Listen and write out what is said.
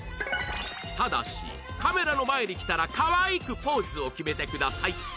ただしカメラの前に来たら可愛くポーズを決めてください